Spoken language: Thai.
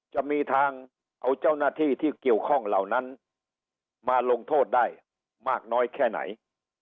จะมีทางเอาเจ้าหน้าที่ที่เกี่ยวข้องเหล่านั้นมาลงโทษได้มากน้อยแค่ไหน